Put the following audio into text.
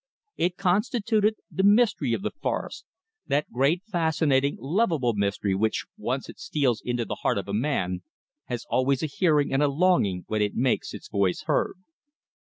It constituted the mystery of the forest, that great fascinating, lovable mystery which, once it steals into the heart of a man, has always a hearing and a longing when it makes its voice heard.